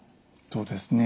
そうですね。